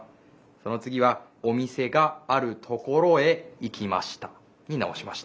そのつぎは「おみせ『が』ある『ところ』へいきました」になおしました。